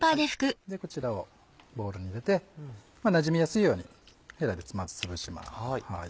こちらをボウルに入れてなじみやすいようにヘラでまずつぶします。